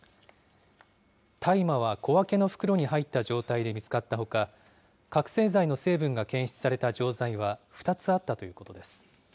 大麻は小分けの袋に入った状態で見つかったほか、覚醒剤の成分が検出された錠剤は２つあったということです。